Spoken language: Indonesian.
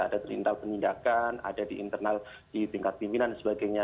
ada perintah penindakan ada di internal di tingkat pimpinan dan sebagainya